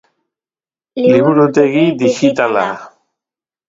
Liburutegi digitala.